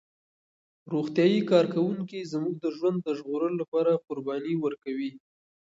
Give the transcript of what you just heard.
روغتیايي کارکوونکي زموږ د ژوند د ژغورلو لپاره قرباني ورکوي.